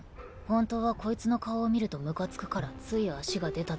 本当はこいつの顔を見るとムカつくからつい足が出ただけ。